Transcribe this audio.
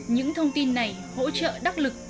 những thông tin này hỗ trợ đắc lực